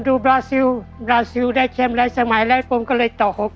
ดูบราซิลได้แชมป์และสมัยแล้วผมก็เลยต่อหก